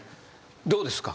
どうですか？